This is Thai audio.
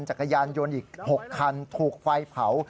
จักรยานยนต์อีก๖คันถูกไฟเผา